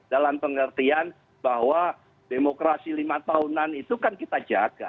dalam pengertian bahwa demokrasi lima tahunan itu kan kita jaga